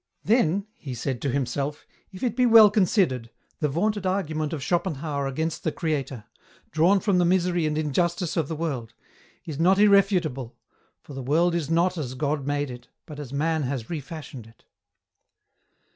" Then," he said to himself, " if it be well considered, the vaunted argument of Schopenhauer against the Creator, drawn from the misery and injustice of the world, is not irrefutable, for the world is not as God made it, but as man has refashioned it."